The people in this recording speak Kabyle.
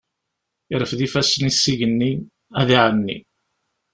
Irfed ifassen-is s igenni, ad iεenni.